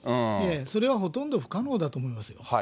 それはほとんど不可能だと思います。